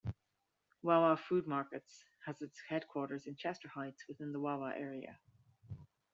Wawa Food Markets has its headquarters in Chester Heights, within the Wawa area.